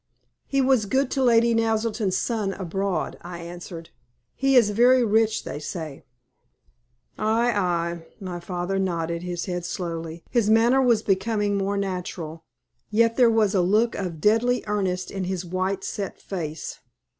"He was good to Lady Naselton's son abroad," I answered. "He is very rich, they say." "Ay, ay!" My father nodded his head slowly. His manner was becoming more natural. Yet there was a look of deadly earnest in his white, set face.